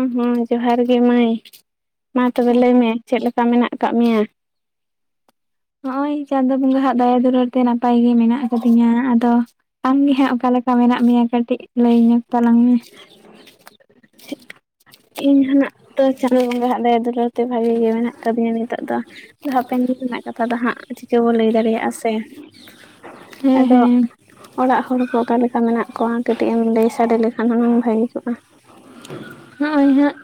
ᱩ ᱦᱩᱸ ᱡᱚᱦᱟᱨ ᱜᱮ ᱢᱟᱹᱭ ᱢᱟ ᱛᱚᱵᱮ ᱞᱟᱹᱭ ᱢᱮ ᱪᱮᱫ ᱞᱮᱠᱟ ᱢᱮᱱᱟᱜ ᱠᱟᱜ ᱢᱮᱭᱟ? ᱦᱚᱸᱜᱼᱚᱭ ᱪᱟᱸᱫᱚ ᱵᱚᱸᱜᱟ ᱦᱟᱜ ᱫᱟᱭᱟ ᱫᱩᱞᱟᱹᱲ ᱛᱮ ᱱᱟᱯᱟᱭ ᱜᱮ ᱢᱮᱱᱟᱜ ᱟᱠᱟ ᱫᱤᱧᱟ, ᱟᱫᱚᱼᱼ ᱟᱢ ᱜᱤ ᱦᱟᱸᱜ ᱚᱠᱟ ᱞᱮᱠᱟ ᱢᱮᱱᱟᱜ ᱢᱮᱭᱟ ᱠᱟᱹᱴᱤᱡ ᱞᱟᱹᱭ ᱧᱚᱜᱽ ᱛᱟᱞᱟᱝ ᱢᱮ? ᱤᱧ ᱦᱚᱸ ᱱᱟᱜᱼᱼ ᱛᱚ ᱪᱟᱸᱫᱚ ᱵᱚᱸᱜᱟ ᱦᱟᱜ ᱫᱟᱭᱟ ᱫᱩᱞᱟᱹᱲ ᱛᱮ ᱵᱷᱟᱜᱮ ᱜᱮ ᱢᱮᱱᱟᱜ ᱟᱠᱟ ᱫᱤᱧᱟ ᱱᱤᱛᱚᱜ ᱫᱚ ᱫᱚ ᱦᱟᱯᱮᱱ ᱫᱤᱱ ᱨᱮᱱᱟᱜᱼᱼ ᱠᱟᱛᱷᱟ ᱫᱚ ᱦᱟᱸᱜ ᱪᱤᱠᱟᱹ ᱵᱚ ᱞᱟᱹᱭ ᱫᱟᱲᱮᱭᱟᱜᱼᱟ ᱥᱮ᱾ ᱦᱮᱸ ᱟᱫᱚ ᱦᱮᱸ ᱚᱲᱟᱜ ᱦᱚᱲ ᱠᱚ ᱚᱠᱟ ᱞᱮᱠᱟ ᱢᱮᱱᱟᱜ ᱠᱚᱣᱟ ᱠᱟᱹᱴᱤᱡ ᱮᱢ ᱞᱟᱹᱭ ᱥᱟᱰᱮ ᱞᱮᱠᱷᱟᱱ ᱦᱩᱱᱟᱹᱝ ᱵᱷᱟᱹᱜᱤ ᱠᱚᱜᱼᱟ᱾ [unintelligible] ᱦᱚᱜᱼᱚᱭ ᱦᱟᱸᱜ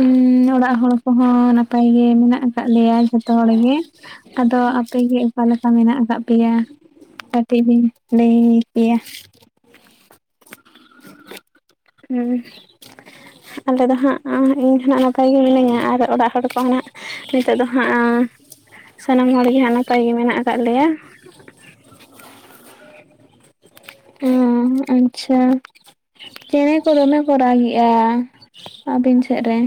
ᱩᱸᱻ ᱚᱲᱟᱜ ᱦᱚᱲ ᱠᱚᱦᱚᱸ ᱱᱟᱯᱟᱭ ᱜᱮ ᱢᱮᱱᱟᱜ ᱠᱟᱜ ᱞᱮᱭᱟ ᱡᱷᱚᱛᱚ ᱦᱚᱲ ᱜᱮ ᱛᱚ ᱟᱯᱮ ᱜᱮ ᱚᱠᱟ ᱞᱮᱠᱟ ᱢᱮᱱᱟᱜ ᱠᱟᱜ ᱯᱮᱭᱟ ᱠᱟᱹᱴᱤᱡ ᱵᱤᱱ ᱞᱟᱹᱭ ᱠᱮᱭᱟ᱾ [unintelligible] ᱩᱸ ᱟᱞᱮ ᱫᱚ ᱦᱟᱸᱜ ᱤᱧ ᱦᱟᱸᱜ ᱱᱟᱯᱟᱭ ᱜᱮ ᱢᱤᱱᱟᱹᱧᱟ ᱟᱨ ᱚᱲᱟᱜ ᱦᱚᱲ ᱠᱚᱦᱚᱸ ᱱᱟᱜ ᱱᱤᱛᱚᱜ ᱫᱚ ᱦᱟᱸᱜ ᱥᱟᱱᱟᱢ ᱦᱚᱲ ᱜᱮ ᱦᱟᱸᱜ ᱱᱟᱯᱟᱭ ᱜᱮ ᱢᱮᱱᱟᱜ ᱠᱟᱜ ᱞᱮᱭᱟ ᱩᱻ ᱟᱪᱷᱟ᱾ ᱪᱮᱬᱮ ᱠᱚ ᱫᱚᱢᱮ ᱠᱚ ᱨᱟᱜᱮᱼᱟ ᱟᱹᱵᱤᱱ ᱥᱮᱫ ᱨᱮ᱾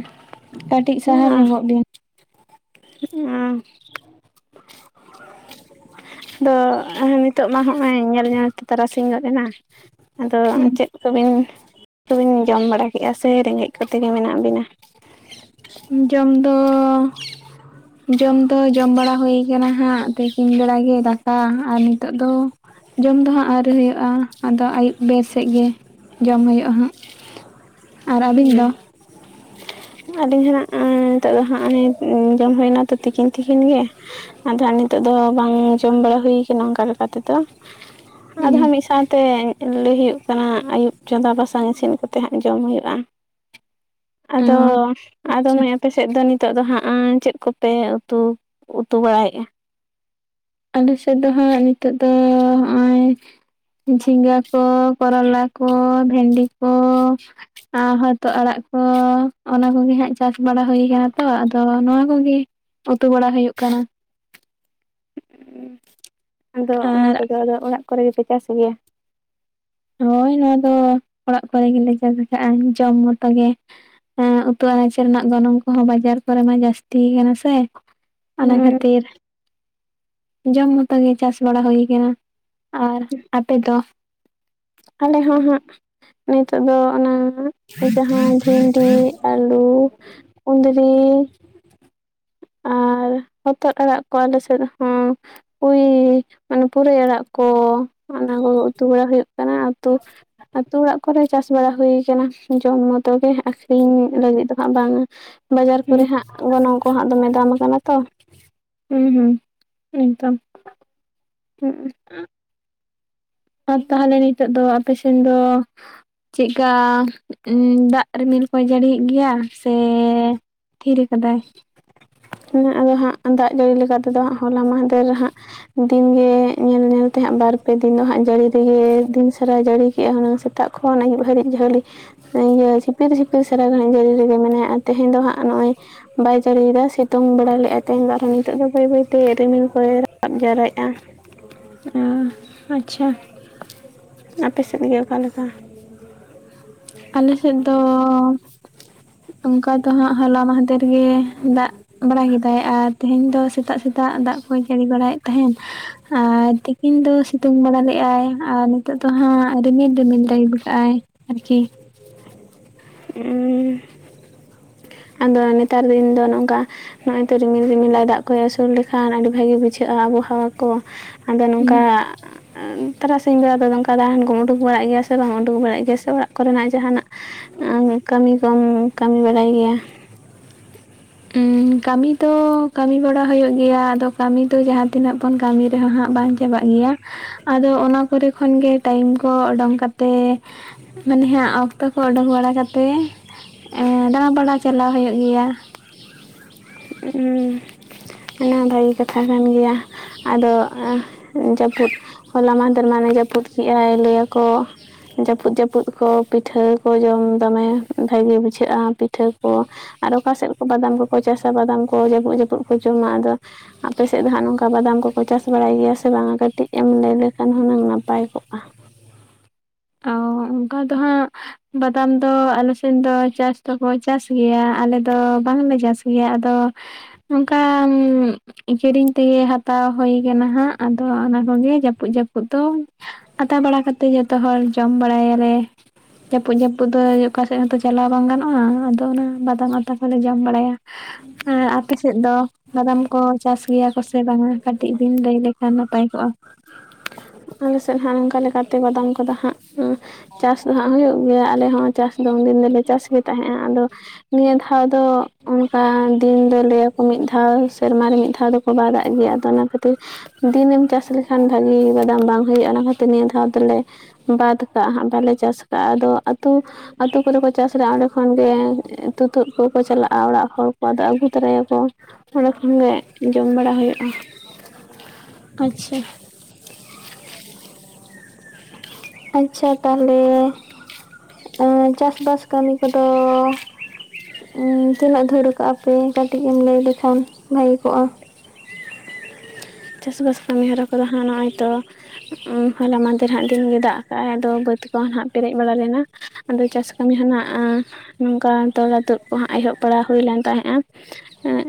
ᱠᱟᱹᱴᱤᱡ ᱥᱟᱦᱟ ᱧᱚᱜᱚᱜ ᱵᱤᱱ ᱚᱸ [unintelligible] ᱟᱫᱚ ᱱᱤᱛᱚᱜ ᱢᱟ ᱦᱚᱜᱼᱚᱭ ᱧᱮᱞ ᱧᱮᱞᱛᱮ ᱛᱟᱨᱟᱥᱤᱧ ᱜᱚᱫ ᱮᱱᱟ᱾ ᱟᱫᱚ ᱪᱮᱫ ᱦᱩᱸ ᱠᱚᱵᱤᱱ ᱠᱚᱵᱤᱱ ᱡᱚᱢ ᱵᱟᱲᱟ ᱠᱮᱫᱼᱟ ᱥᱮ ᱨᱮᱸᱜᱮᱡ ᱠᱚᱛᱮ ᱜᱮ ᱢᱮᱱᱟᱜ ᱵᱤᱱᱟ᱾ ᱡᱚᱢ ᱫᱚ ᱡᱚᱢ ᱫᱚ ᱡᱚᱢ ᱵᱟᱲᱟ ᱦᱩᱭ ᱠᱟᱱᱟ ᱦᱟᱸᱜ ᱛᱤᱠᱤᱱ ᱵᱮᱲᱟ ᱜᱮ ᱫᱟᱠᱟ ᱟᱨ ᱱᱤᱛᱚᱜ ᱫᱚ ᱡᱚᱢ ᱫᱚ ᱦᱟᱸᱜ ᱟᱹᱣᱨᱤ ᱦᱩᱭᱩᱜᱼᱟ ᱟᱫᱚ ᱟᱹᱭᱩᱵ ᱵᱮᱨ ᱥᱮᱡ ᱜᱮ ᱡᱚᱢ ᱦᱩᱭᱩᱜᱼᱟ ᱦᱟᱸᱜ ᱟᱨ ᱟᱹᱵᱤᱱ ᱫᱚ ᱦᱩᱸ ᱟᱹᱞᱤᱧ ᱦᱚ ᱱᱟᱜ ᱮᱻ ᱱᱤᱛᱚᱜ ᱫᱚ ᱦᱟᱸᱜ ᱮᱻ ᱚᱱᱮ ᱡᱚᱢ ᱦᱩᱭ ᱱᱟᱛᱚ ᱛᱤᱠᱤᱱ ᱛᱤᱠᱤᱱ ᱜᱮ ᱟᱫᱚ ᱱᱤᱛᱚᱜ ᱫᱚ ᱵᱟᱝ ᱡᱚᱢ ᱵᱟᱲᱟ ᱦᱩᱭ ᱠᱟᱱᱟ ᱚᱱᱠᱟ ᱞᱮᱠᱟ ᱛᱮᱫᱚ᱾ ᱟᱫᱚ ᱦᱟᱸᱜ ᱢᱤᱫ ᱥᱟᱶᱛᱮ ᱞᱟᱹᱭ ᱦᱩᱭᱩᱜ ᱠᱟᱱᱟ ᱟᱹᱭᱩᱵ ᱪᱚᱸᱫᱟ ᱵᱟᱥᱟᱝ ᱤᱥᱤᱱ ᱠᱟᱛᱮ ᱦᱟᱸᱜ ᱡᱚᱢ ᱦᱩᱭᱩᱜᱼᱟ᱾ ᱟᱫᱚ ᱚ ᱟᱫᱚ ᱟᱪᱪᱷᱟ ᱢᱟᱹᱭ ᱟᱯᱮ ᱥᱮᱫ ᱫᱚ ᱱᱤᱛ ᱱᱤᱛᱚᱜ ᱫᱚ ᱦᱟᱸᱜ ᱪᱮᱫ ᱠᱚᱯᱮ ᱩᱛᱩ ᱩᱛᱩ ᱵᱟᱲᱟᱭᱮᱜᱼᱟ ᱟᱞᱮ ᱥᱮᱫᱫᱚ ᱦᱟᱸᱜ ᱱᱤᱛᱚᱜ ᱫᱚ ᱦᱟᱸᱜ ᱡᱷᱤᱸᱜᱟᱹ ᱠᱚ, ᱠᱚᱨᱚᱞᱟ ᱠᱚ, ᱵᱷᱮᱸᱰᱤ ᱠᱚ, ᱟᱸ ᱦᱚᱛᱚᱜ ᱟᱲᱟᱜ ᱠᱚ ᱚᱱᱟ ᱠᱚᱜᱮ ᱦᱟᱸᱜ ᱪᱟᱥ ᱵᱟᱲᱟ ᱦᱩᱭ ᱠᱟᱱᱟ ᱛᱚ ᱟᱫᱚ ᱱᱚᱣᱟ ᱠᱚᱜᱮ ᱩᱛᱩ ᱵᱟᱲᱟ ᱦᱩᱭᱩᱜ ᱠᱟᱱᱟ ᱟᱫᱚ ᱚᱱᱟ ᱟᱨ ᱠᱚᱫᱚ ᱟᱫᱚ ᱚᱲᱟᱜ ᱠᱚᱨᱮ ᱜᱮᱯᱮ ᱪᱟᱥ ᱜᱮᱭᱟ ᱦᱳᱭ ᱱᱚᱣᱟ ᱫᱚ ᱚᱲᱟᱜ ᱠᱚᱨᱮ ᱜᱮᱞᱮ ᱪᱟᱥ ᱠᱟᱜᱼᱟ ᱡᱚᱢ ᱢᱚᱛᱚ ᱜᱮ᱾ ᱦᱮᱻ ᱩᱛᱩ ᱟᱱᱟᱪ ᱨᱮᱱᱟᱜ ᱜᱚᱱᱚᱝ ᱠᱚᱦᱚᱸ ᱵᱟᱡᱟᱨ ᱠᱚᱨᱮ ᱢᱟ ᱡᱟᱹᱥᱛᱤ ᱠᱟᱱᱟ ᱥᱮ᱾ ᱚᱱᱟ ᱦᱩᱸ ᱠᱷᱟᱹᱛᱤᱨ ᱡᱚᱢ ᱢᱚᱛᱚ ᱜᱮ ᱪᱟᱥ ᱵᱟᱲᱟ ᱦᱩᱭ ᱠᱟᱱᱟ ᱟᱨ ᱟᱯᱮ ᱫᱚ ᱟᱞᱮ ᱦᱚᱸ ᱦᱟᱸᱜ ᱱᱤᱛᱚᱜ ᱫᱚ ᱚᱱᱟ ᱡᱟᱦᱟᱸ ᱵᱷᱤᱱᱰᱤ, ᱟᱹᱞᱩ, ᱠᱩᱸᱫᱽᱨᱤ, ᱟᱨ ᱦᱚᱛᱚᱫ ᱟᱲᱟᱜ ᱠᱚ ᱟᱞᱮ ᱥᱮᱫ ᱦᱚᱻ ᱯᱩᱭ ᱢᱟᱱᱮ ᱯᱩᱨᱟᱹᱭ ᱟᱲᱟᱜ ᱠᱚ ᱚᱱᱟ ᱠᱚ ᱩᱛᱩ ᱵᱟᱲᱟ ᱦᱩᱭᱩᱜ ᱠᱟᱱᱟ ᱟᱹᱛᱩ ᱟᱹᱛᱩ ᱚᱲᱟᱜ ᱠᱚᱨᱮ ᱪᱟᱥ ᱵᱟᱲᱟ ᱦᱩᱭ ᱠᱟᱱᱟ ᱡᱚᱢ ᱢᱚᱛᱚ ᱜᱮ ᱟᱥ ᱤᱧ ᱞᱟᱹᱜᱤᱫ ᱫᱚ ᱦᱟᱸᱜ ᱵᱟᱝᱟ ᱵᱟᱡᱟᱨ ᱠᱚᱨᱮ ᱦᱩᱸ ᱦᱟᱸᱜ ᱚᱱᱮ ᱚᱱᱟ ᱦᱩᱸ ᱦᱩᱸ ᱮᱠᱫᱚᱢ ᱦᱩᱸᱜ ᱦᱮᱸ ᱟᱨ ᱛᱟᱦᱚᱞᱮ ᱱᱤᱛᱚᱜ ᱫᱚ ᱟᱯᱮ ᱥᱮᱱ ᱫᱚ ᱪᱮ ᱠᱟ ᱫᱟᱜ ᱨᱤᱢᱤᱞ ᱠᱚ ᱡᱟᱹᱲᱤᱭᱮᱜ ᱜᱮᱭᱟ ᱥᱮ ᱛᱷᱤᱨ ᱟᱠᱟᱫᱟᱭ ᱾ ᱟᱫᱚ ᱦᱟᱸᱜ ᱫᱟᱜ ᱡᱟᱹᱲᱤ ᱞᱮᱠᱟ ᱛᱮ ᱫᱚ ᱦᱟᱸᱜ ᱦᱚᱞᱟ ᱢᱟᱦᱫᱮᱨ ᱨᱮ ᱦᱟᱸᱜ ᱫᱤᱱᱜᱮ ᱧᱮᱞ ᱧᱮᱞ ᱛᱮ ᱦᱟᱸᱜ ᱵᱟᱨ-ᱯᱮ ᱫᱤᱱ ᱫᱚ ᱦᱟᱸᱜ ᱡᱟᱹᱲᱤ ᱨᱮᱜᱮ ᱫᱤᱱ ᱥᱟᱨᱟ ᱡᱟᱹᱲᱤ ᱠᱮᱜᱼᱟ ᱦᱩᱱᱟᱹᱝ ᱥᱟ ᱥᱮᱛᱟᱜ ᱠᱷᱚᱱ ᱟᱹᱭᱩᱵ ᱫᱷᱟᱹᱨᱤᱡ ᱡᱷᱟᱹᱞᱤ ᱤᱭᱟᱹ ᱡᱷᱤᱯᱤᱨ ᱡᱷᱤᱯᱤᱨ ᱥᱟᱨᱟ ᱜᱷᱟᱲᱤᱡ ᱡᱟᱹᱲᱤ ᱨᱮᱜᱮ ᱢᱮᱱᱟᱜ ᱛᱮᱦᱮᱧ ᱫᱚ ᱦᱟᱸᱜ ᱱᱚᱜᱼᱚᱭ ᱵᱟᱭ ᱡᱟᱹᱲᱤᱭᱮᱫᱟ ᱵᱟᱹᱧ ᱵᱟᱲᱟᱭ ᱞᱮᱜᱼᱟ ᱛᱮ ᱫᱚ ᱟᱨᱦᱚᱸ ᱱᱤᱛᱚᱜ ᱫᱚ ᱵᱟᱹᱭ ᱵᱟᱹᱭ ᱛᱮ ᱨᱤᱢᱤᱞ ᱠᱚᱭ ᱨᱟᱠᱟᱵ ᱡᱟᱣᱨᱟᱭᱮᱜᱼᱟ ᱾ ᱚ ᱟᱪᱪᱷᱟ ᱾ ᱟᱯᱮ ᱥᱮᱫ ᱜᱮ ᱚᱠᱟ ᱞᱮᱠᱟ? ᱟᱞᱮ ᱥᱮᱫ ᱫᱚ ᱚᱱᱠᱟ ᱫᱚ ᱦᱟᱸᱜ ᱦᱚᱞᱟ ᱢᱟᱦᱟᱫᱮᱨ ᱜᱮ ᱫᱟᱜ ᱵᱟᱲᱟ ᱠᱮᱫᱟᱭ ᱟᱨ ᱛᱮᱦᱤᱧ ᱫᱚ ᱥᱮᱛᱟᱜ ᱥᱮᱛᱟᱜ ᱫᱟᱜ ᱠᱚᱭ ᱡᱟᱹᱲᱤ ᱵᱟᱲᱟᱭᱮᱫ ᱛᱟᱦᱮᱱ ᱾ ᱟᱨ ᱛᱤᱠᱤᱱ ᱫᱚ ᱥᱤᱛᱩᱝ ᱵᱟᱲᱟ ᱞᱮᱜᱼᱟᱭ ᱟᱨ ᱱᱤᱛᱚᱜ ᱫᱚ ᱦᱟᱸᱜ ᱨᱤᱢᱤᱞ ᱨᱤᱢᱤᱞ ᱫᱟᱭ ᱜᱚᱴᱟᱭ ᱾ ᱟᱨᱠᱤ ᱦᱩᱸ ᱟᱫᱚ ᱱᱮᱛᱟᱨ ᱫᱤᱱ ᱫᱚ ᱱᱚᱝᱠᱟ ᱱᱚᱜᱼᱚᱭ ᱛᱚ ᱨᱤᱢᱤᱞ ᱨᱤᱢᱤᱞ ᱫᱟᱭ ᱫᱟᱜ ᱫᱟᱜ ᱟᱹᱥᱩᱲ ᱞᱮᱠᱷᱟᱱ ᱟᱹᱰᱤ ᱵᱷᱟᱜᱤ ᱵᱩᱡᱷᱟᱹᱜᱼᱟ ᱟᱵᱚᱦᱟᱣᱟ ᱠᱚ ᱟᱫᱚ ᱱᱚᱝᱠᱟ ᱛᱟᱨᱟᱥᱤᱧ ᱵᱮᱲᱟ ᱫᱚ ᱱᱚᱝᱠᱟ ᱫᱟᱬᱟᱱ ᱠᱚᱢ ᱩᱰᱩᱠ ᱵᱟᱲᱟᱜ ᱜᱮᱭᱟ ᱥᱮ ᱵᱟᱢ ᱩᱰᱩᱠ ᱵᱟᱲᱟᱜ ᱜᱮᱭᱟ ᱥᱮ ᱚᱲᱟᱜ ᱠᱚᱨᱮ ᱱᱟᱜ ᱡᱟᱦᱟᱱᱟᱜ ᱠᱟᱹᱢᱤ ᱠᱚᱢ ᱠᱟᱹᱢᱤ ᱵᱟᱲᱟᱭ ᱜᱮᱭᱟ? ᱩᱸ ᱠᱟᱹᱢᱤ ᱫᱚ ᱠᱟᱹᱢᱤ ᱵᱟᱲᱟ ᱦᱩᱭᱩᱜ ᱜᱮᱭᱟ ᱟᱫᱚ ᱠᱟᱹᱢᱤ ᱫᱚ ᱡᱟᱦᱟᱸ ᱛᱤᱱᱟᱹᱜ ᱵᱚᱱ ᱠᱟᱹᱢᱤ ᱨᱮᱦᱚᱸ ᱦᱟᱸᱜ ᱵᱟᱝ ᱪᱟᱵᱟᱜ ᱜᱮᱭᱟ ᱾ ᱟᱫᱚ ᱚᱱᱟ ᱠᱚᱨᱮ ᱠᱷᱚᱱ ᱜᱮ ᱴᱟᱭᱤᱢ ᱠᱚ ᱚᱰᱩᱝ ᱠᱟᱛᱮ ᱢᱟᱱᱮ ᱦᱟᱸᱜ ᱚᱠᱛᱚ ᱠᱚ ᱚᱰᱳᱠ ᱵᱟᱲᱟ ᱠᱟᱛᱮ ᱫᱟᱬᱟ ᱵᱟᱲᱟ ᱪᱟᱞᱟᱣ ᱦᱩᱭᱩᱜ ᱜᱮᱭᱟ ᱩᱸ ᱚᱱᱟ ᱵᱷᱟᱹᱜᱮ ᱠᱟᱛᱷᱟ ᱠᱟᱱ ᱜᱮᱭᱟ ᱾ ᱟᱫᱚ ᱡᱟᱹᱯᱩᱫ ᱦᱚᱞᱟ ᱢᱟᱦᱫᱮᱨ ᱢᱟᱱᱮ ᱡᱟᱹᱯᱩᱫ ᱠᱮᱼᱜᱟᱭ ᱞᱟᱹᱭᱟᱠᱚ ᱾ ᱡᱟᱹᱯᱩᱫ ᱡᱟᱹᱯᱩᱫ ᱠᱚ ᱯᱤᱴᱷᱟᱹ ᱠᱚ ᱡᱚᱢ ᱫᱚᱢᱮ ᱵᱷᱟᱹᱜᱤ ᱵᱩᱡᱷᱟᱹᱜᱼᱟ ᱯᱤᱴᱷᱟᱹ ᱠᱚ ᱾ ᱟᱨ ᱚᱠᱟ ᱥᱮᱫ ᱠᱚ ᱵᱟᱫᱟᱢ ᱠᱚᱠᱚ ᱪᱟᱥᱟ ᱵᱟᱫᱟᱢ ᱠᱚ ᱡᱟᱹᱯᱩᱫ ᱡᱟᱹᱯᱩᱫ ᱠᱚ ᱡᱚᱢᱟ ᱟᱫᱚ ᱟᱯᱮ ᱥᱮᱫ ᱫᱚ ᱦᱟᱸᱜ ᱱᱚᱝᱠᱟ ᱵᱟᱫᱟᱢ ᱠᱚᱠᱚ ᱪᱟᱥ ᱵᱟᱲᱟᱭ ᱜᱮᱭᱟ ᱥᱮ ᱵᱟᱝᱟ ᱠᱟᱹᱴᱤᱡ ᱮᱢ ᱞᱟᱹᱭ ᱞᱮᱠᱷᱟᱱ ᱦᱩᱱᱟᱹᱝ ᱱᱟᱯᱟᱭ ᱠᱚᱜᱼᱟ ᱚ ᱚᱱᱠᱟ ᱫᱚ ᱦᱟᱸᱜ ᱵᱟᱫᱟᱢ ᱫᱚ ᱟᱞᱮ ᱥᱮᱱ ᱫᱚ ᱪᱟᱥ ᱫᱚᱠᱚ ᱪᱟᱥ ᱜᱮᱭᱟ ᱟᱞᱮ ᱫᱚ ᱵᱟᱝᱞᱮ ᱪᱟᱥ ᱜᱮᱭᱟ ᱟᱫᱚ ᱱᱚᱝᱠᱟ ᱦᱩᱸ ᱠᱤᱨᱤᱧ ᱛᱮᱜᱮ ᱦᱟᱛᱟᱣ ᱦᱩᱭ ᱠᱟᱱᱟ ᱦᱟᱸᱜ ᱟᱫᱚ ᱚᱱᱟ ᱠᱚᱜᱮ ᱡᱟᱹᱯᱩᱫ ᱡᱟᱹᱯᱩᱫ ᱫᱚ ᱟᱛᱟ ᱵᱟᱲᱟ ᱠᱟ ᱠᱟᱛᱮ ᱡᱚᱛᱚ ᱦᱚᱲ ᱡᱚᱢ ᱵᱟᱲᱟᱭᱟᱞᱮ ᱾ ᱡᱟᱹᱯᱩᱫ ᱡᱟᱹᱯᱩᱫ ᱫᱚ ᱚᱠᱟ ᱥᱮᱫ ᱦᱚᱸᱛᱚ ᱪᱟᱞᱟᱣ ᱵᱟᱝ ᱜᱟᱱᱚᱜᱼᱟ ᱟᱫᱚ ᱚᱱᱟ ᱵᱟᱫᱟᱢ ᱟᱛᱟ ᱠᱚᱞᱮ ᱡᱚᱢ ᱵᱟᱲᱟᱭᱟ ᱾ ᱦᱮᱸ ᱟᱯᱮ ᱥᱮᱫ ᱫᱚ? ᱵᱟᱫᱟᱢ ᱠᱚ ᱪᱟᱥ ᱜᱮᱭᱟ ᱠᱚ ᱥᱮ ᱵᱟᱝᱟ ᱠᱟᱹᱴᱤᱡ ᱵᱤᱱ ᱞᱟᱹᱭ ᱞᱮᱠᱷᱟᱱ ᱱᱟᱯᱟᱭ ᱠᱚᱜᱼᱟ? ᱟᱞᱮ ᱥᱮᱫ ᱦᱟᱸᱜ ᱱᱚᱝᱠᱟ ᱞᱮᱠᱟ ᱛᱮ ᱵᱟᱫᱟᱢ ᱠᱚᱫᱚ ᱦᱟᱸᱜ ᱪᱟᱥ ᱫᱚ ᱦᱟᱸᱜ ᱦᱩᱭᱩᱜ ᱜᱮᱭᱟ ᱟᱞᱮ ᱦᱚᱸ ᱪᱟᱥ ᱫᱚ ᱩᱱ ᱫᱤᱱ ᱫᱚᱞᱮ ᱪᱟᱥ ᱜᱮ ᱛᱟᱦᱮᱸᱜᱼᱟ ᱟᱫᱚ ᱱᱤᱭᱟᱹ ᱫᱷᱟᱣ ᱫᱚ ᱚᱱᱠᱟ ᱫᱤᱱ ᱫᱚ ᱞᱟᱹᱭᱟᱠᱚ ᱢᱤᱫ ᱫᱷᱟᱣ ᱥᱮᱨᱢᱟ ᱨᱮ ᱢᱤᱫ ᱫᱷᱟᱣ ᱫᱚ ᱵᱟᱭ ᱫᱟᱜ ᱮᱫ ᱜᱮᱭᱟ ᱟᱫᱚ ᱚᱱᱟ ᱠᱷᱟᱹᱛᱤᱨ ᱫᱤᱱᱮᱢ ᱪᱟᱥ ᱞᱮᱠᱷᱟᱱ ᱵᱷᱟᱜᱤ ᱫᱟᱢ ᱵᱟᱝ ᱦᱩᱭᱩᱜᱼᱟ ᱚᱱᱟ ᱠᱷᱟᱹᱛᱤᱨ ᱱᱤᱭᱟᱹ ᱫᱷᱟᱣ ᱫᱚᱞᱮ ᱵᱟᱫ ᱠᱟᱜᱼᱟ ᱦᱟᱜᱸ ᱵᱟᱞᱮ ᱪᱟᱥ ᱠᱟᱜᱼᱟ ᱟᱫᱚ ᱟᱛᱩ ᱟᱹᱛᱩ ᱠᱚᱨᱮ ᱠᱚ ᱪᱟᱥ ᱮᱫᱼᱟ ᱚᱸᱰᱮ ᱠᱷᱚᱱᱜᱮ ᱛᱩᱛᱩᱫ ᱠᱚᱠᱚ ᱪᱟᱞᱟᱜᱼᱟ ᱚᱲᱟᱜ ᱦᱚᱲ ᱠᱚ ᱟᱫᱚ ᱟᱹᱜᱩ ᱛᱚᱨᱟᱭᱟᱠᱚ ᱾ ᱚᱸᱰᱮ ᱠᱷᱚᱱ ᱜᱮ ᱡᱚᱢ ᱵᱟᱲᱟ ᱦᱩᱭᱩᱜᱼᱟ ᱾ ᱟᱪᱪᱷᱟ ᱾ ᱟᱪᱪᱷᱟ ᱛᱟᱦᱚᱞᱮ ᱩ ᱪᱟᱥᱵᱟᱥ ᱠᱟᱹᱢᱤ ᱠᱚᱫᱚ? ᱛᱤᱱᱟᱹᱜ ᱫᱷᱩᱨ ᱠᱟᱜᱼᱟ ᱯᱮ ᱠᱟᱹᱴᱤᱡ ᱮᱢ ᱞᱟᱹᱭ ᱞᱮᱠᱷᱟᱱ ᱵᱷᱟᱜᱤ ᱠᱚᱜᱼᱟ? ᱪᱟᱥ ᱵᱟᱥ ᱠᱟᱹᱢᱤ ᱦᱚᱨᱟ ᱠᱚᱫᱚ ᱦᱟᱸᱜ ᱱᱚᱜᱼᱚᱭ ᱛᱚ ᱩᱸ ᱦᱚᱞᱟ ᱢᱟᱫᱷᱮᱨ ᱦᱟᱸᱜ ᱫᱤᱱ ᱜᱮ ᱫᱟᱜ ᱠᱟᱜᱼᱟᱭ ᱟᱫᱚ ᱵᱟᱹᱫᱽ ᱠᱚ ᱦᱟᱸᱜ ᱯᱮᱨᱮᱡ ᱵᱟᱲᱟ ᱞᱮᱱᱟ ᱟᱫᱚ ᱪᱟᱥ ᱠᱟᱹᱢᱤ ᱦᱚᱱᱟᱜ ᱱᱚᱝᱠᱟ ᱛᱚᱞᱟ ᱛᱩᱫ ᱠᱚᱦᱟᱜ ᱮᱦᱚᱵ ᱵᱟᱲᱟ ᱦᱩᱭ ᱞᱮᱱ ᱛᱟᱦᱮᱸᱫᱼᱟ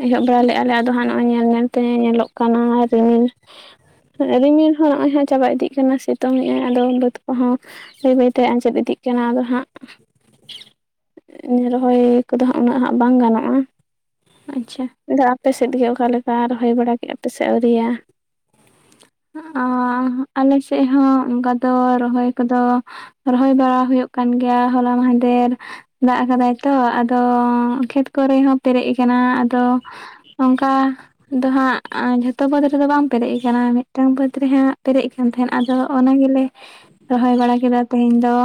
ᱮᱦᱚᱵ ᱵᱟᱲᱟ ᱞᱮᱫᱼᱟ ᱞᱮ ᱟᱫᱚ ᱦᱟᱸᱜ ᱱᱚᱜᱼᱚᱭ ᱧᱮᱞ ᱧᱮᱞ ᱛᱮ ᱧᱮᱞᱚᱜ ᱠᱟᱱᱟ ᱨᱤᱢᱤᱞ ᱨᱤᱢᱤᱞ ᱦᱚᱸ ᱱᱚᱜ-ᱚᱭ ᱦᱟᱸᱜ ᱪᱟᱵᱟ ᱤᱫᱤᱜ ᱠᱟᱱᱟ ᱥᱤᱛᱩᱝ ᱮ ᱟᱭ ᱟᱫᱚ ᱵᱟᱹᱫᱽ ᱠᱚᱸ ᱦᱚᱸ ᱵᱟᱹᱭ ᱵᱟᱹᱭ ᱛᱮ ᱟᱸᱡᱮᱫ ᱤᱫᱤᱜ ᱠᱟᱱᱟ ᱟᱫᱚ ᱦᱟᱸᱜ ᱨᱚᱦᱚᱭ ᱠᱚ ᱫᱚ ᱦᱟᱸᱜ ᱩᱱᱟᱹᱜ ᱦᱟᱸᱜ ᱵᱟᱝ ᱜᱟᱱ ᱟᱠᱟᱱᱟ ᱟᱪᱪᱷᱟ ᱟᱫᱚ ᱟᱯᱮ ᱥᱮᱫ ᱜᱮ ᱚᱠᱟ ᱞᱮᱠᱟ ᱨᱚᱦᱚᱭ ᱵᱟᱲᱟ ᱠᱮᱫᱼᱟ ᱯᱮ ᱥᱮ ᱟᱹᱣᱨᱤᱭᱟ ᱟᱸᱹ ᱟᱞᱮ ᱥᱮᱫ ᱦᱚᱸ ᱚᱱᱠᱟ ᱫᱚ ᱨᱚᱦᱚᱭ ᱠᱚ ᱫᱚ ᱨᱚᱦᱚᱭ ᱵᱟᱲᱟ ᱦᱩᱭᱩᱜ ᱠᱟᱱ ᱜᱮᱭᱟ ᱦᱚᱞᱟ ᱢᱟᱦᱽᱫᱮᱨ ᱫᱟᱜ ᱟᱠᱟᱫᱟᱭ ᱛᱚ ᱟᱫᱚ ᱠᱷᱮᱛ ᱠᱚᱨᱮ ᱦᱚᱸ ᱯᱮᱨᱮᱡ ᱟᱠᱟᱱᱟ ᱟᱫᱚ ᱚᱝᱠᱟ ᱫᱚ ᱦᱟᱸᱜ ᱡᱷᱚᱛᱚ ᱵᱟᱹᱫᱽ ᱨᱮ ᱫᱚ ᱵᱟᱝ ᱯᱮᱨᱮᱡ ᱟᱠᱟᱱᱟ ᱢᱤᱫ ᱴᱟᱝ ᱵᱟᱹᱫᱽ ᱨᱮ ᱦᱟᱸᱜ ᱯᱮᱨᱮᱡ ᱠᱟᱱ ᱛᱟᱦᱮᱸᱱ ᱟᱫᱚ ᱚᱱᱟ ᱜᱮ ᱞᱮ ᱨᱚᱦᱚᱭ ᱵᱟᱲᱟ ᱠᱮᱫᱟ ᱛᱮᱦᱮᱧ ᱫᱚ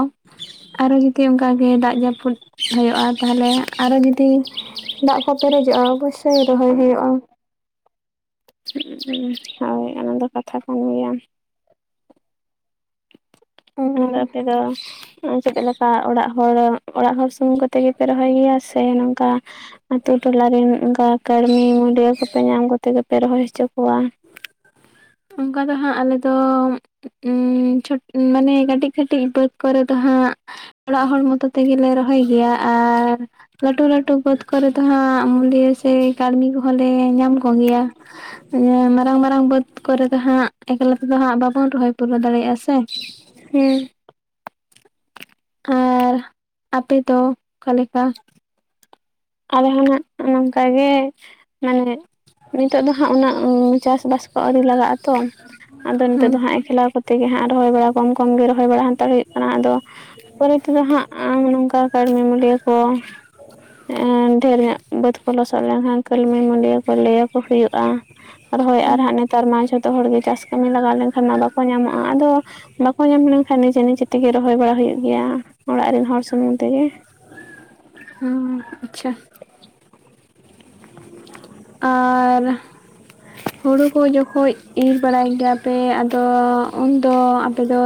ᱟᱨᱚ ᱡᱩᱫᱤ ᱚᱱᱠᱟ ᱜᱮ ᱫᱟᱜ ᱡᱟᱹᱯᱩᱫ ᱦᱩᱭᱩᱜᱼᱟ ᱛᱟᱦᱚᱞᱮ ᱦᱟᱸᱜ ᱟᱨᱚ ᱡᱩᱫᱤ ᱫᱟᱜ ᱠᱚ ᱯᱮᱨᱮᱡᱚᱜᱼᱟ ᱚᱵᱚᱥᱥᱳᱭ ᱨᱚᱦᱚᱭ ᱦᱩᱭᱩᱜᱼᱟ ᱦᱳᱭ ᱚᱱᱟᱫᱚ ᱠᱟᱛᱷᱟ ᱠᱟᱱ ᱜᱮᱭᱟ ᱟᱫᱚ ᱟᱯᱮ ᱫᱚ ᱪᱮᱫ ᱞᱮᱠᱟ ᱚᱲᱟᱜ ᱦᱚᱲ ᱚᱲᱟᱜ ᱦᱚᱲ ᱥᱩᱢᱩᱝ ᱠᱚᱛᱮ ᱜᱮ ᱯᱮ ᱨᱚᱦᱚᱭ ᱜᱮᱭᱟ ᱥᱮ ᱱᱚᱝᱠᱟ ᱟᱛᱩ ᱴᱚᱞᱟ ᱨᱮᱱ ᱚᱱᱠᱟ ᱠᱟᱹᱲᱢᱤ ᱢᱩᱰᱭᱟᱹ ᱠᱚ ᱯᱮ ᱧᱟᱢ ᱠᱚᱛᱮ ᱜᱮ ᱯᱮ ᱨᱚᱦᱚᱭ ᱦᱚᱪᱚ ᱠᱚᱣᱟ ᱚᱱᱠᱟ ᱫᱚ ᱦᱟᱸᱜ ᱟᱞᱮᱫᱚ ᱩᱸᱢ ᱢᱟᱱᱮ ᱠᱟᱹᱴᱤᱡ ᱠᱟᱹᱴᱤᱡ ᱵᱟᱹᱫᱽ ᱠᱚᱨᱮ ᱫᱚ ᱦᱟᱸᱜ ᱚᱲᱟᱜ ᱦᱚᱲ ᱢᱚᱛᱚ ᱛᱮ ᱜᱮ ᱞᱮ ᱨᱚᱦᱚᱭ ᱜᱮᱭᱟ ᱟᱨ ᱞᱟᱹᱴᱩ ᱞᱟᱹᱴᱩ ᱵᱟᱹᱫᱽ ᱠᱚᱨᱮ ᱫᱚ ᱦᱟᱸᱜ ᱢᱩᱫᱮ ᱥᱮ ᱠᱟᱹᱲᱢᱤ ᱠᱚ ᱦᱚᱸ ᱞᱮ ᱧᱟᱢ ᱠᱚᱜᱮᱭᱟ ᱢᱟᱨᱟᱝ ᱢᱟᱨᱟᱝ ᱵᱟᱹᱫᱽ ᱠᱚᱨᱮ ᱫᱚ ᱦᱟᱸᱜ ᱮᱠᱞᱟ ᱛᱮ ᱫᱚ ᱦᱟᱸᱜ ᱵᱟᱵᱚᱱ ᱨᱚᱦᱚᱭ ᱯᱩᱨᱟᱹᱣ ᱫᱟᱲᱮᱭᱟᱜᱼᱟ ᱥᱮ ᱦᱮᱸ ᱟᱨ ᱟᱯᱮ ᱫᱚ ᱚᱠᱟ ᱞᱮᱠᱟ ᱟᱞᱮ ᱦᱚᱸ ᱦᱟᱸᱜ ᱱᱚᱝᱠᱟ ᱜᱮ ᱢᱟᱱᱮ ᱱᱤᱛᱚᱜ ᱫᱚ ᱦᱟᱸᱜ ᱩᱱᱟᱹᱜ ᱪᱟᱥ ᱵᱟᱥ ᱟᱹᱣᱨᱤ ᱞᱟᱜᱟᱜ ᱟ ᱛᱚ ᱟᱫᱚ ᱱᱤᱛᱚ ᱫᱚ ᱦᱩᱸ ᱦᱟᱸᱜ ᱮᱠᱞᱟ ᱠᱚ ᱛᱮ ᱜᱮ ᱦᱟᱸᱜ ᱨᱚᱦᱚᱭ ᱵᱟᱲᱟ ᱠᱚᱢ ᱠᱚᱢ ᱜᱮ ᱨᱚᱦᱚᱭ ᱵᱟᱲᱟ ᱦᱟᱛᱟᱲ ᱦᱩᱭᱩᱜ ᱠᱟᱱᱟ ᱟᱫᱚ ᱯᱚᱨᱮ ᱛᱮ ᱫᱚ ᱦᱟᱸᱜ ᱱᱚᱝᱠᱟ ᱠᱟᱹᱲᱢᱤ ᱢᱩᱞᱭᱟᱹ ᱠᱚ ᱵᱟᱹᱫᱽ ᱠᱚ ᱞᱚᱥᱚᱫ ᱞᱮᱱᱠᱷᱟᱱ ᱠᱟᱹᱢᱤ ᱢᱩᱰᱤᱭᱟᱹ ᱠᱚ ᱞᱟᱹᱭ ᱟᱠᱚ ᱦᱩᱭᱩᱜᱼᱟ ᱟᱫᱚ ᱦᱳᱭ ᱟᱨ ᱦᱟᱸᱜ ᱱᱮᱛᱟᱨ ᱢᱟ ᱡᱷᱚᱛᱚ ᱦᱚᱲ ᱜᱮ ᱪᱟᱥ ᱠᱟᱹᱢᱤ ᱞᱟᱜᱟᱣ ᱞᱮᱱ ᱠᱷᱟᱱ ᱢᱟ ᱵᱟᱠᱚ ᱧᱟᱢᱚᱜᱼᱟ ᱟᱫᱚ ᱵᱟᱠᱚ ᱧᱟᱢ ᱞᱮᱱ ᱠᱷᱟᱱ ᱱᱤᱡᱮ ᱱᱤᱡᱮ ᱛᱮ ᱜᱮ ᱨᱚᱦᱚᱭ ᱵᱟᱲᱟ ᱦᱩᱭᱩᱜ ᱜᱮᱭᱟ ᱚᱲᱟᱜ ᱨᱮᱱ ᱦᱚᱲ ᱥᱩᱢᱩᱝ ᱛᱮ ᱜᱮ ᱦᱩᱸ ᱟᱪᱷᱟ [unintelligible] ᱟᱨ ᱦᱩᱲᱩ ᱠᱚ ᱡᱚᱠᱷᱚᱡ ᱤᱨ ᱵᱟᱲᱟᱭ ᱜᱮᱭᱟ ᱯᱮ ᱟᱫᱚ ᱩᱱᱫᱚ ᱟᱯᱮ ᱫᱚ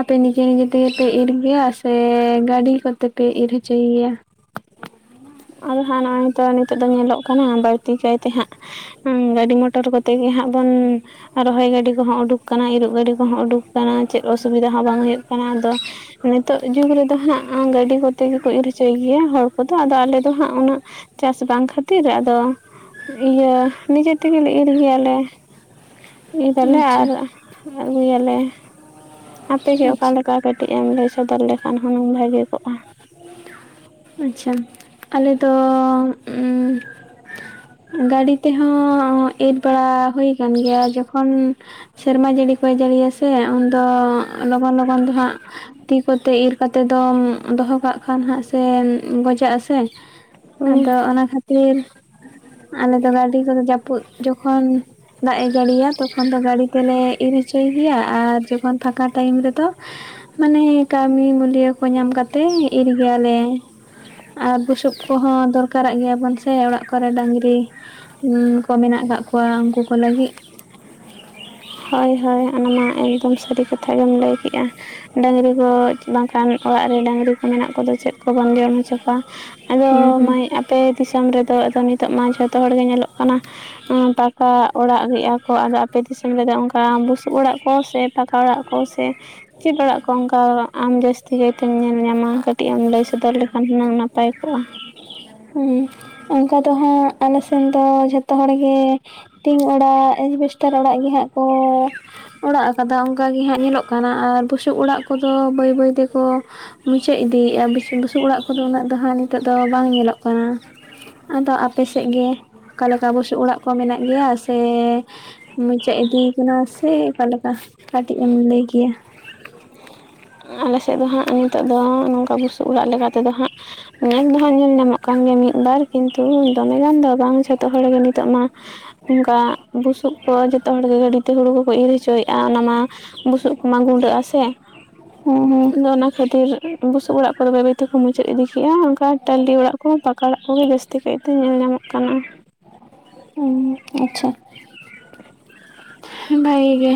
ᱟᱯᱮ ᱱᱤᱡᱮ ᱱᱤᱡᱮ ᱛᱮ ᱜᱮ ᱯᱮ ᱤᱨ ᱜᱮᱭᱟ ᱥᱮ ᱜᱟᱹᱰᱤ ᱠᱚᱛᱮ ᱯᱮ ᱤᱨ ᱦᱚᱪᱚᱭ ᱜᱮᱭᱟ ᱟᱫᱚ ᱦᱟᱸᱜ ᱱᱚᱜᱼᱚᱭ ᱛᱚ ᱱᱤᱛᱳᱜ ᱫᱚ ᱧᱮᱞᱚᱜ ᱠᱟᱱᱟ ᱵᱟᱹᱲᱛᱤ ᱠᱟᱭ ᱛᱮ ᱦᱟᱸᱜ ᱜᱟᱹᱰᱤ ᱢᱚᱴᱚᱨ ᱠᱚᱛᱮ ᱜᱮ ᱦᱟᱸᱜ ᱵᱚᱱ ᱨᱚᱦᱚᱭ ᱜᱟᱹᱰᱤ ᱠᱚᱦᱚᱸ ᱩᱰᱩᱠ ᱟᱠᱟᱱᱟ ᱤᱨᱚᱜ ᱜᱟᱹᱰᱤ ᱠᱚᱦᱚᱸ ᱩᱰᱩᱠ ᱟᱠᱟᱱᱟ ᱪᱮᱫ ᱚᱥᱩᱵᱤᱫᱟ ᱦᱚᱸ ᱵᱟᱝ ᱦᱩᱭᱩᱜ ᱠᱟᱱᱟ ᱟᱫᱚ᱾ ᱱᱤᱛᱚᱜ ᱡᱩᱜᱽ ᱨᱮᱫᱚ ᱦᱟᱸᱜ ᱜᱟᱹᱰᱤ ᱠᱚᱛᱮ ᱜᱮᱠᱚ ᱤᱨ ᱚᱪᱚᱭ ᱜᱮᱭᱟ ᱦᱚᱲ ᱠᱚᱫᱚ ᱟᱫᱚ ᱟᱞᱮ ᱦᱟᱸᱜ ᱩᱱᱟᱹᱜ ᱪᱟᱥ ᱵᱟᱝ ᱠᱷᱟᱹᱛᱤᱨ ᱟᱫᱚ ᱤᱭᱟᱹ ᱱᱤᱡᱮ ᱛᱮᱜᱮ ᱞᱮ ᱤᱨ ᱦᱩᱭ ᱟᱞᱮ ᱫᱟᱞᱮ ᱟᱪᱪᱷᱟ ᱟᱨ ᱟᱹᱜᱩᱭᱟᱞᱮ ᱟᱯᱮ ᱜᱮ ᱟᱪᱪᱷᱟ ᱚᱠᱟᱞᱮ ᱠᱟᱹᱴᱤᱡ ᱮᱢ ᱞᱟᱹᱭ ᱥᱚᱫᱚᱨ ᱞᱮᱠᱷᱟᱱ ᱦᱩᱱᱟᱹᱝ ᱵᱷᱟᱹᱜᱮ ᱠᱚᱜᱼᱟ ᱟᱪᱷᱟ ᱟᱞᱮ ᱫᱚ ᱩᱸ ᱜᱟᱹᱰᱤ ᱛᱮ ᱦᱚᱸ ᱮᱨ ᱵᱟᱲᱟ ᱦᱩᱭ ᱠᱟᱱ ᱜᱮᱭᱟ ᱡᱚᱠᱷᱚᱱ ᱥᱮᱨᱢᱟ ᱡᱟᱹᱲᱤ ᱠᱚᱭ ᱡᱟᱹᱲᱤᱭᱟ ᱥᱮ ᱩᱱᱫᱚ ᱞᱚᱜᱚᱱ ᱞᱚᱜ ᱠᱷᱚᱱ ᱫᱚ ᱦᱟᱸᱜ ᱛᱤ ᱠᱚᱛᱮ ᱤᱨ ᱠᱟᱛᱮ ᱫᱚᱢ ᱫᱚᱦᱚ ᱠᱟᱜ ᱠᱷᱟᱱ ᱦᱟᱸᱜ ᱥᱮ ᱜᱚᱡᱟᱜ ᱟ ᱥᱮ ᱦᱩᱸ ᱟᱫᱚ ᱚᱱᱟ ᱠᱷᱟᱹᱛᱤᱨ ᱟᱞᱮᱫᱚ ᱜᱟᱹᱰᱤ ᱠᱚᱫᱚ ᱡᱟᱹᱯᱩᱫ ᱡᱚᱠᱷᱚᱱ ᱫᱟᱜ ᱮ ᱡᱟᱹᱲᱤᱭᱟ ᱛᱚᱠᱷᱚᱱ ᱫᱚ ᱜᱟᱰᱤ ᱛᱮᱞᱮ ᱤᱨ ᱦᱚᱪᱚᱭ ᱜᱮᱭᱟ ᱟᱨ ᱡᱚᱠᱷᱚᱱ ᱯᱷᱟᱠᱟ ᱴᱟᱭᱤᱢ ᱨᱮᱫᱚ ᱢᱟᱱᱮ ᱠᱟᱹᱢᱤ ᱢᱩᱞᱭᱳ ᱠᱚ ᱧᱟᱢ ᱠᱟᱛᱮᱜ ᱤᱨ ᱜᱮᱭᱟᱞᱮ᱾ ᱟᱨ ᱵᱩᱥᱩᱵ ᱠᱚᱦᱚᱸ ᱫᱚᱨᱠᱟᱨᱟᱜ ᱜᱮᱭᱟᱵᱚᱱ ᱥᱮ ᱚᱲᱟᱜ ᱠᱚᱨᱮ ᱰᱟᱹᱝᱜᱨᱤ ᱠᱚ ᱢᱮᱱᱟᱜ ᱟᱠᱟᱫ ᱠᱚᱣᱟ ᱩᱱᱠᱩᱠᱩ ᱞᱟᱹᱜᱤᱫ ᱦᱳᱭ ᱦᱳᱭ ᱚᱱᱟᱢᱟ ᱮᱠᱫᱚᱢ ᱥᱟᱹᱨᱤ ᱠᱟᱛᱷᱟ ᱜᱮᱢ ᱞᱟᱹᱭ ᱠᱮᱜᱼᱟ ᱰᱟᱹᱝᱨᱤ ᱠᱚ ᱵᱟᱝᱠᱷᱟᱱ ᱚᱲᱟᱜ ᱨᱮ ᱰᱟᱹᱝᱨᱤ ᱠᱚ ᱢᱮᱱᱟᱜ ᱠᱚᱫᱚ ᱪᱮᱫ ᱠᱚ ᱠᱚᱵᱚᱱ ᱡᱚᱢ ᱦᱚᱪᱚ ᱠᱚᱣᱟ ᱟᱫᱚ ᱦᱩᱸ ᱦᱩᱸ ᱢᱟᱹᱭ ᱟᱯᱮ ᱫᱤᱥᱚᱢ ᱨᱮᱫᱚ ᱟᱫᱚ ᱱᱤᱛᱚᱜ ᱢᱟ ᱡᱷᱚᱛᱚ ᱦᱚᱲᱜᱮ ᱧᱮᱞᱚᱜ ᱠᱟᱱᱟ ᱯᱟᱠᱟ ᱚᱲᱟᱜ ᱜᱮᱼᱟ ᱠᱚ ᱟᱫᱚ ᱟᱯᱮ ᱫᱤᱥᱚᱢ ᱨᱮᱫᱚ ᱚᱱᱠᱟ ᱠᱟ ᱵᱩᱥᱩᱵ ᱚᱲᱟᱜ ᱠᱚ ᱥᱮ ᱯᱟᱠᱟ ᱚᱲᱟᱜ ᱠᱚ ᱥᱮ ᱪᱮᱫ ᱚᱲᱟᱜ ᱠᱚ ᱚᱱᱠᱟ ᱟᱢ ᱡᱟᱹᱥᱛᱤ ᱛᱤᱠᱟᱹᱭᱛᱮᱢ ᱧᱮᱞ ᱧᱟᱢᱟ ᱠᱟᱹᱴᱤᱡ ᱮᱢ ᱞᱟᱹᱭ ᱥᱚᱫᱚᱨ ᱞᱮᱠᱷᱟᱱ ᱦᱩᱱᱟᱹᱝ ᱱᱟᱯᱟᱭ ᱠᱚᱜᱼᱟ ᱦᱮᱸ ᱚᱱᱠᱟ ᱫᱚ ᱦᱟᱸᱜ ᱟᱞᱮ ᱥᱮᱱ ᱫᱚ ᱡᱷᱚᱛᱚ ᱦᱚᱲ ᱜᱮ ᱛᱤᱧ ᱚᱲᱟᱜ ᱮᱥᱵᱮᱥᱴᱟᱨ ᱚᱲᱟᱜ ᱜᱮᱦᱟᱸᱜ ᱠᱚ ᱚᱲᱟᱜ ᱠᱟᱫᱟ ᱚᱱᱠᱟᱜ ᱜᱮ ᱦᱟᱸᱜ ᱧᱮᱞᱚᱜ ᱠᱟᱱᱟ ᱟᱨ ᱵᱩᱥᱩᱵ ᱚᱲᱟᱜ ᱠᱚᱫᱚ ᱵᱟᱹᱭ ᱵᱟᱹᱭ ᱛᱮᱠᱚ ᱢᱩᱪᱟᱹᱫ ᱤᱫᱤᱭᱮᱫᱼᱟ ᱵᱩᱥᱩᱵ ᱚᱲᱟᱜ ᱠᱚᱫᱚ ᱩᱱᱟᱹᱜ ᱫᱚ ᱦᱟᱜ ᱱᱤᱛᱚᱜ ᱫᱚ ᱵᱟᱝ ᱧᱮᱞᱚᱜ ᱠᱟᱱᱟ ᱟᱫᱚ ᱟᱯᱮᱮᱥᱮᱫ ᱜᱮ ᱚᱠᱟᱞᱮᱠᱟ ᱵᱩᱥᱩᱵ ᱚᱲᱟᱜ ᱠᱚ ᱢᱮᱱᱟᱜ ᱜᱮᱭᱟ ᱥᱮ ᱢᱩᱪᱟᱹᱫ ᱤᱫᱤ ᱠᱟᱱᱟ ᱥᱮ ᱚᱠᱟ ᱞᱮᱠᱟ ᱠᱟᱹᱴᱤᱡ ᱮᱢ ᱞᱟᱹᱭ ᱠᱮᱭᱟ ᱟᱞᱮ ᱥᱮᱫ ᱫᱚ ᱦᱟᱸᱜ ᱱᱤᱛᱚᱜ ᱫᱚ ᱱᱚᱝᱠᱟ ᱵᱩᱥᱩᱵ ᱚᱲᱟᱜ ᱞᱮᱠᱟᱛᱮᱫᱚ ᱦᱟᱸᱜ ᱱᱮᱥᱫᱚ ᱦᱟᱸᱜ ᱧᱮᱞ ᱧᱟᱢᱚᱜ ᱠᱟᱱ ᱜᱮᱭᱟ ᱢᱤᱫᱵᱟᱨ ᱠᱤᱱᱛᱩ ᱫᱚᱢᱮ ᱜᱟᱱ ᱫᱚ ᱵᱟᱝ ᱡᱷᱚᱛᱚ ᱦᱚᱲᱜᱮ ᱱᱤᱛᱚᱜ ᱢᱟ ᱚᱱᱠᱟ ᱵᱩᱥᱩᱵ ᱠᱚ ᱡᱚᱛᱚ ᱦᱚᱲ ᱜᱮ ᱜᱟᱹᱰᱤᱛᱮ ᱦᱩᱲᱩ ᱠᱚᱠᱚ ᱤᱨ ᱚᱪᱚᱭᱮᱜᱼᱟ ᱚᱱᱟ ᱢᱟ ᱵᱩᱥᱩᱵ ᱠᱚᱢᱟ ᱜᱩᱸᱰᱟᱹᱜᱼᱟ ᱥᱮ ᱦᱮᱸ ᱦᱮᱸ ᱟᱫᱚ ᱚᱱᱟ ᱠᱷᱟᱹᱛᱤᱨ ᱵᱩᱥᱩᱵ ᱚᱲᱟᱜ ᱠᱚᱫᱚ ᱵᱟᱹᱭ ᱛᱮᱠᱚ ᱢᱩᱪᱟᱹᱫ ᱤᱫᱤ ᱠᱮᱫᱮᱜᱼᱟ ᱚᱱᱠᱟ ᱴᱟᱞᱤ ᱚᱲᱟᱜ ᱠᱚ ᱯᱟᱠᱟ ᱚᱲᱟᱜ ᱠᱚᱜᱮ ᱡᱟᱹᱛᱤᱜᱼᱟ ᱡᱟᱹᱛᱤ ᱠᱟᱹᱡ ᱫᱚ ᱧᱮᱞ ᱧᱟᱢᱚᱜ ᱠᱟᱱᱟ [unintelligible] ᱟᱪᱪᱷᱟ ᱵᱷᱟᱭ ᱜᱮ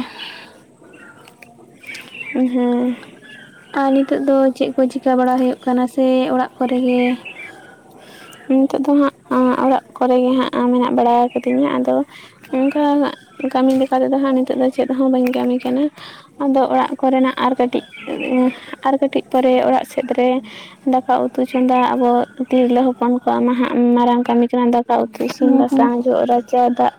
ᱦᱮᱸ [unintelligible] ᱟᱨ ᱱᱤᱛᱚᱜ ᱫᱚ ᱪᱮᱫ ᱠᱚ ᱪᱤᱠᱟ ᱵᱟᱲᱟ ᱦᱩᱭᱩᱜ ᱠᱟᱱᱟ ᱥᱮ ᱚᱲᱟᱜ ᱠᱚᱨᱮ ᱜᱮ ᱱᱤᱛᱳᱜ ᱫᱚ ᱦᱟᱸᱜ ᱚᱲᱟᱜ ᱠᱚᱨᱮ ᱜᱮ ᱦᱟᱸᱜ ᱢᱮᱱᱟᱜ ᱵᱟᱲᱟ ᱠᱟᱹᱫᱤᱧᱟ ᱟᱫᱚ ᱚᱝᱠᱟ ᱠᱟᱹᱢᱤ ᱞᱮᱠᱟ ᱛᱮᱫᱚ ᱦᱟᱸᱜ ᱱᱤᱛᱳᱜ ᱫᱚ ᱪᱮᱫ ᱦᱚᱸ ᱵᱟᱹᱧ ᱠᱟᱹᱢᱤ ᱠᱟᱱᱟ ᱟᱫᱚ ᱚᱲᱟᱜ ᱠᱚᱨᱮᱱᱟᱜ ᱟᱨ ᱠᱟᱹᱴᱤᱡ ᱠᱟᱹᱴᱤᱡ ᱟᱨ ᱠᱟᱹᱴᱤᱡ ᱯᱚᱨᱮ ᱚᱲᱟᱜ ᱥᱮᱫ ᱨᱮ ᱫᱟᱠᱟ ᱩᱛᱩ ᱛᱩ ᱪᱚᱸᱫᱟ ᱟᱵᱚ ᱛᱤᱨᱞᱟᱹ ᱦᱚᱯᱚᱱ ᱠᱚᱣᱟ ᱱᱟᱦᱟᱜ ᱢᱟᱨᱟᱝ ᱠᱟᱹᱢᱤ ᱠᱟᱱᱟ ᱫᱚ ᱥᱟᱶᱛᱮ ᱤᱥᱤᱱ ᱦᱮᱸ ᱦᱮᱸ ᱵᱟᱥᱟᱝ ᱡᱚᱜ ᱨᱟᱪᱟ ᱫᱟᱜ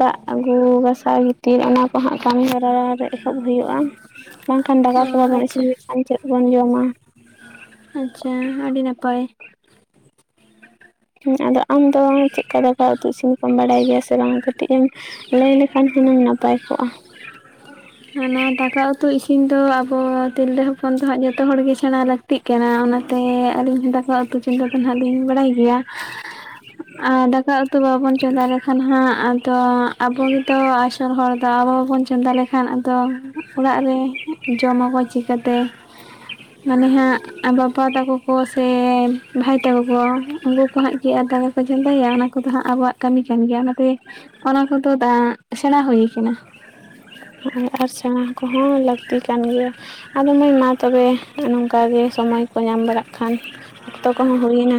ᱫᱟᱜ ᱟᱹᱜᱩ ᱜᱟᱥᱟᱣ ᱜᱤᱛᱤᱨ ᱚᱱᱟ ᱠᱚᱦᱟᱸᱟᱜ ᱠᱟᱹᱢᱤ ᱦᱚᱨᱟ ᱨᱮ ᱮᱦᱚᱵ ᱦᱩᱭᱩᱜᱼᱟ ᱵᱟᱝᱠᱷᱟᱱ ᱫᱟᱠᱟ ᱚ ᱠᱚ ᱵᱟᱵᱚᱱ ᱤᱥᱤᱱ ᱟᱪᱪᱷᱟ ᱞᱮᱠᱷᱟᱱ ᱪᱮᱫ ᱵᱚᱱ ᱡᱚᱢᱟ ᱟᱪᱪᱷᱟ ᱟᱹᱰᱤ ᱱᱟᱯᱟᱭ ᱸ ᱟᱫᱚ ᱟᱢ ᱫᱚ ᱪᱮᱫᱠᱟ ᱫᱟᱠᱟ ᱩᱛᱩ ᱤᱥᱤᱱ ᱠᱚᱢ ᱵᱟᱲᱟᱭ ᱜᱮᱭᱟ ᱥᱮ ᱵᱟᱝ ᱠᱟᱹᱴᱤᱡ ᱮᱢ ᱞᱟᱹᱭ ᱞᱮᱠᱷᱟᱱ ᱦᱩᱱᱟᱹᱝ ᱱᱟᱯᱟᱭ ᱠᱚᱜᱼᱟ ᱚᱱᱟ ᱫᱟᱠᱟ ᱩᱛᱩ ᱤᱥᱤᱱ ᱫᱚ ᱟᱵᱚ ᱛᱤᱨᱞᱟᱹ ᱦᱚᱯᱚᱱ ᱫᱚ ᱦᱟᱸᱜ ᱡᱚᱛᱚ ᱦᱚᱲ ᱜᱮ ᱥᱮᱬᱟ ᱞᱟᱹᱠᱛᱤᱜ ᱠᱟᱱᱟ ᱚᱱᱟᱛᱮ ᱟᱹᱞᱤᱧ ᱦᱚ ᱫᱟᱠᱟ ᱩᱛᱩ ᱪᱫᱟ ᱫᱚ ᱟᱸᱜ ᱫᱚᱧ ᱵᱟᱲᱟᱭ ᱜᱮᱭᱟ ᱟᱨ ᱫᱟᱠᱟ ᱩᱛᱩ ᱵᱟᱵᱚᱱ ᱪᱚᱸᱫᱟ ᱞᱮᱠᱷᱟᱱ ᱦᱟᱸᱜ ᱛᱚ ᱟᱵᱚᱜᱮᱛᱚ ᱟᱥᱚᱞ ᱦᱚᱲ ᱫᱚ ᱟᱵᱚ ᱵᱟᱵᱚᱱ ᱪᱚᱸᱫᱟ ᱞᱮᱠᱷᱟᱱ ᱟᱫᱚ ᱚᱲᱟᱜ ᱨᱮ ᱡᱚᱢ ᱟᱵᱚ ᱪᱤᱠᱟᱹᱛᱮ ᱢᱟᱱᱮ ᱦᱟᱸᱜ ᱵᱟᱵᱟ ᱛᱟᱠᱚ ᱠᱚ ᱥᱮ ᱵᱷᱟᱭ ᱛᱟᱠᱚ ᱠᱚ ᱩᱱᱠᱩ ᱠᱚ ᱦᱟᱸᱜ ᱜᱮᱮᱫᱼᱟ ᱪᱚᱸᱫᱟᱭᱭᱟ ᱚᱱᱟ ᱠᱚᱫᱚ ᱦᱟᱸᱜ ᱟᱵᱚᱣᱟᱜ ᱠᱟᱹᱢᱤ ᱠᱟᱱ ᱜᱮᱭᱟ ᱚᱱᱟᱛᱮ ᱚᱱᱟ ᱠᱚᱫᱚ ᱥᱮᱬᱟ ᱦᱩᱭᱩ ᱠᱟᱱᱟ ᱱᱚᱜ ᱟᱨ ᱥᱮᱬᱟ ᱠᱚᱦᱚᱸ ᱞᱟᱹᱠᱛᱤ ᱠᱟᱱ ᱜᱮᱭᱟ ᱟᱫᱚ ᱢᱟᱹᱭ ᱢᱟ ᱛᱚᱵᱮ ᱱᱚᱝᱠᱟᱜᱮ ᱥᱚᱢᱚᱭ ᱠᱚ ᱧᱟᱢ ᱵᱟᱲᱟᱜ ᱠᱷᱟᱱ ᱚᱠᱛᱚ ᱠᱚᱦᱚᱸ ᱦᱩᱭᱮᱱᱟ